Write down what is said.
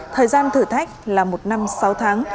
thời gian thử thách là một năm sáu tháng